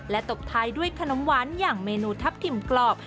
ตบท้ายด้วยขนมหวานอย่างเมนูทับทิมกรอบ